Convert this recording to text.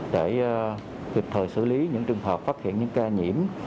để kịp thời xử lý những trường hợp phát hiện những ca nhiễm